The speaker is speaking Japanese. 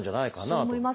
そう思いますね。